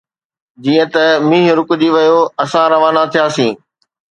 جيئن ئي مينهن رڪجي ويو، اسان روانا ٿياسين.